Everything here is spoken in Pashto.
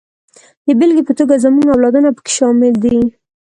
د بېلګې په توګه زموږ اولادونه پکې شامل دي.